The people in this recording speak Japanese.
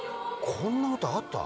こんな歌あった？